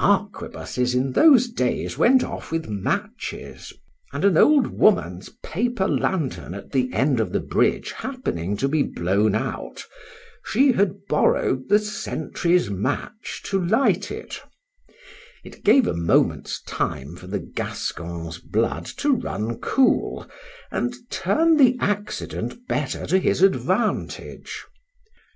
Arquebusses in those days went off with matches; and an old woman's paper lantern at the end of the bridge happening to be blown out, she had borrow'd the sentry's match to light it:—it gave a moment's time for the Gascon's blood to run cool, and turn the accident better to his advantage.